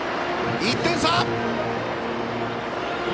１点差！